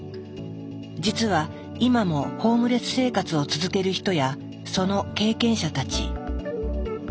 実は今もホームレス生活を続ける人やその経験者たち。